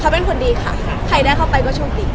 เขาเป็นคนดีค่ะใครได้เข้าไปก็โชคดี